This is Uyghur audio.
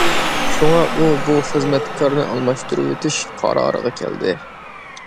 شۇڭا ئۇ بۇ خىزمەتكارنى ئالماشتۇرۇۋېتىش قارارىغا كەلدى.